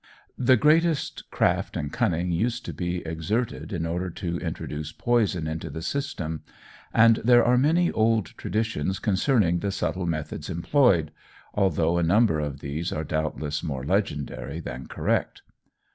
The greatest craft and cunning used to be exerted in order to introduce poison into the system, and there are many old traditions concerning the subtle methods employed, although a number of these are doubtless more legendary than correct.